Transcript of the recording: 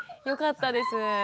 よかったです。